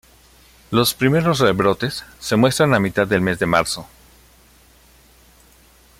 Los primeros rebrotes se muestran a mitad del mes de marzo.